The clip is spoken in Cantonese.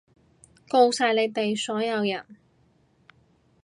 吿晒你哋全部人！